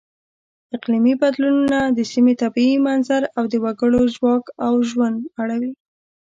اقلیمي بدلونونه د سیمې طبیعي منظر او د وګړو ژواک او ژوند اړوي.